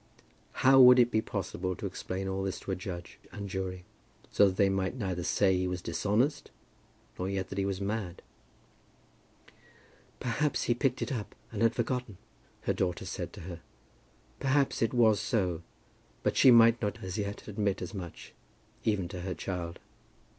How would it be possible to explain all this to a judge and jury, so that they might neither say that he was dishonest, nor yet that he was mad? "Perhaps he picked it up, and had forgotten," her daughter said to her. Perhaps it was so, but she might not as yet admit as much even to her child.